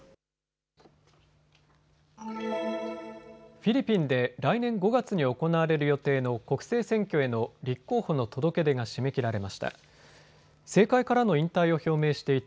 フィリピンで来年５月に行われる予定の国政選挙への立候補の届け出が締め切られました。